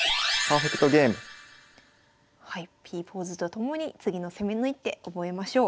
はいＰポーズとともに次の攻めの一手覚えましょう。